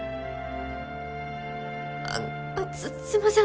あっすすいません